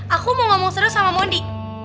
aku mau ngomong serius sama mondi